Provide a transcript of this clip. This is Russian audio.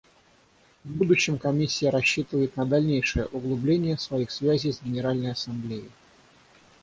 В будущем Комиссия рассчитывает на дальнейшее углубление своих связей с Генеральной Ассамблеей.